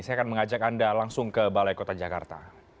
saya akan mengajak anda langsung ke balai kota jakarta